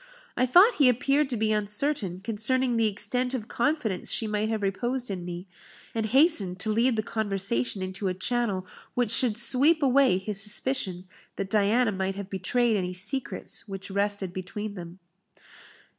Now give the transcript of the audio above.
I thought he appeared to be uncertain concerning the extent of confidence she might have reposed in me, and hastened to lead the conversation into a channel which should sweep away his suspicion that Diana might have betrayed any secrets which rested between them.